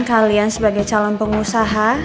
kalian sebagai calon pengusaha